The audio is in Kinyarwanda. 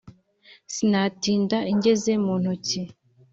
sinatinda ingeze mu ntoki